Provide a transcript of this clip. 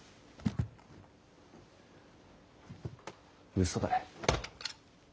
うそだ。